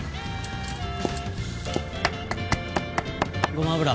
ごま油。